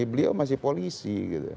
beliau masih polisi